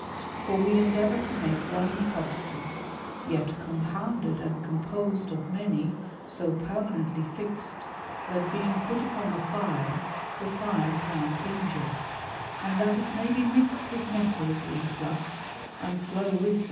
Fof we endeavour to make one substance, yet compounde4 " and composed of many, so permanently fixed, that being put upon the fire, the fire cannot injure; and that it may be mixed with metals in flux and flow with